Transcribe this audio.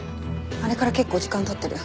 あれから結構時間経ってる。